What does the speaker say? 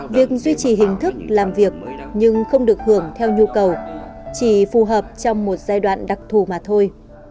việc duy trì hình thức làm việc nhưng không được hưởng theo nhu cầu chỉ phù hợp trong một giai đoạn đặc thù mà thôi